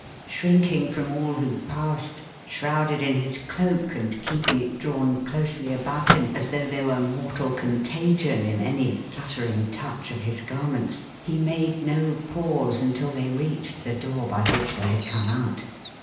Shrinking from all who passed, shrouded in his cloak, and keeping it drawn closely about him, as though there were mortal contagion in any fluttering touch of his garments, he made no pause until they reached t In door by which they had come out.